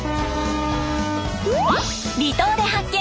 「離島で発見！